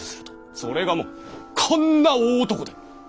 それがもうこんな大男で。